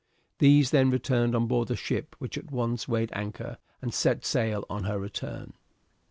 These then returned on board the ship, which at once weighed anchor and set sail on her return.